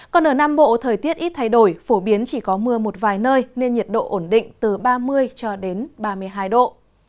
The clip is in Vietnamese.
còn ở nam bộ thời tiết ít thay đổi phổ biến chỉ có mưa một vài nơi nên nhiệt độ ổn định từ ba mươi cho đến ba mươi hai độ